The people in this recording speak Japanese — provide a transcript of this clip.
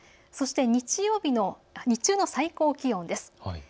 そして日曜日の日中の最高気温です。